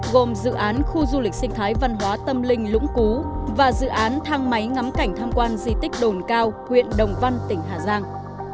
gồm dự án khu du lịch sinh thái văn hóa tâm linh lũng cú và dự án thang máy ngắm cảnh tham quan di tích đồn cao huyện đồng văn tỉnh hà giang